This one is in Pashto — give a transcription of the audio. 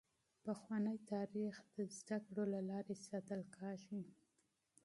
پخوانی تاریخ د تعلیم له لارې ساتل کیږي.